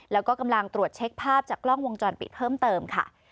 แล้วก็กำลังตรวจเช็คภาพจากกล้องวงจรปิดเพิ่มเติมค่ะ